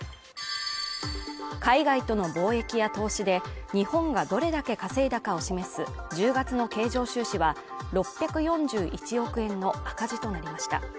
海外との貿易や投資で日本がどれだけ稼いだかを示す１０月の経常収支は６４１億円の赤字となりました